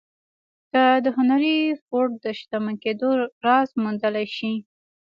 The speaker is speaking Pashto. که د هنري فورډ د شتمن کېدو راز موندلای شئ.